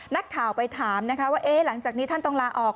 นักข่าวไปถามนะคะว่าหลังจากนี้ท่านต้องลาออก